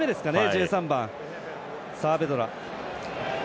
１３番、サアベドラ。